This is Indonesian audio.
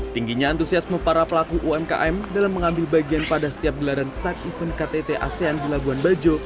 tingginya antusiasme para pelaku umkm dalam mengambil bagian pada setiap gelaran side event ktt asean di labuan bajo